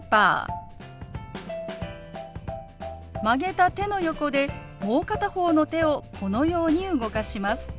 曲げた手の横でもう片方の手をこのように動かします。